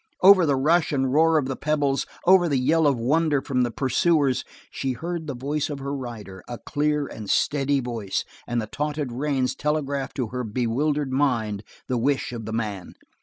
Over the rush and roar of the pebbles, over the yell of wonder from the pursuers, she heard the voice of her rider, a clear and steady voice, and the tautened reins telegraphed to her bewildered mind the wish of the man.